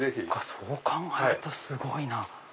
そう考えるとすごいな。